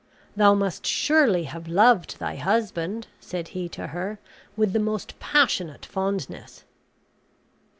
"Thou must surely have loved thy husband," said he to her, "with the most passionate fondness."